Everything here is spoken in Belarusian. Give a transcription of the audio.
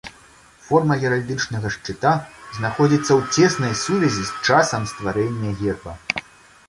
Форма геральдычнага шчыта знаходзіцца ў цеснай сувязі з часам стварэння герба.